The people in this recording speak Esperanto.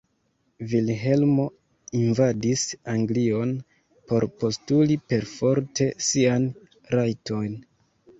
Vilhelmo invadis Anglion por postuli perforte sian "rajton".